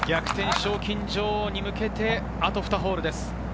賞金女王に向けてあと２ホールです。